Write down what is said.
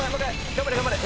頑張れ頑張れ。